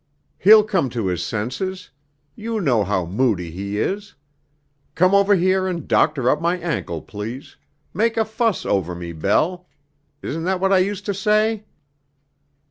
"He'll come to his senses. You know how moody he is. Come over here and doctor up my ankle, please. 'Make a fuss over me, Bell.' Isn't that what I used to say?"